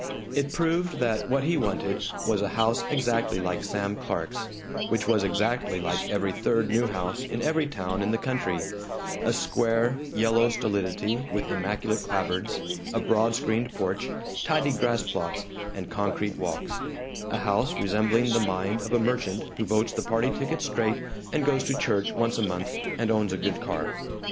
It proved that what he wanted was a house exactly like Sam Clark's, which was exactly like every third new house in every town in the country: a square, yellow stolidity with immaculate clapboards, a broad screened porch, tidy grass plots, and concrete walks; a house resembling the mind of a merchant who votes the party ticket straight and goes to church once a month and owns a good car.